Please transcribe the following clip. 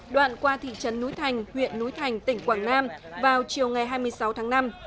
đoạn qua thị trấn núi thành huyện núi thành tỉnh quảng nam vào chiều ngày hai mươi sáu tháng năm